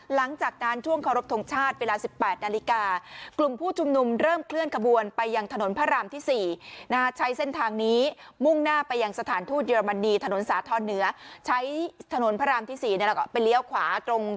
หลังจากนานช่วงขอรบทรงชาติเวลาสิบแปดนาฬิกา